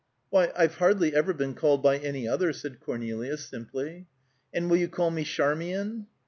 "Why, I've hardly ever been called by any other," said Cornelia simply. "And will you call me Charmian?"